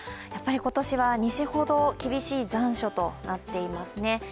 今年は西ほど厳しい残暑となっていますね。